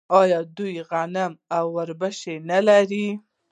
آیا دوی غنم او وربشې نه کري؟